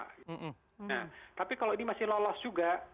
nah tapi kalau ini masih lolos juga